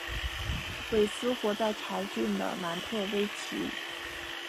韦斯活在柴郡的南特威奇。